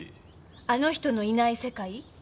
「あの人のいない世界」？